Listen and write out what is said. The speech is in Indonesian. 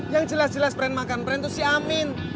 yang jelas jelas pren makan pren itu si amin